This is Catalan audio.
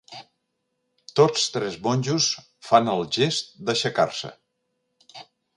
Tots tres monjos fan el gest d'aixecar-se.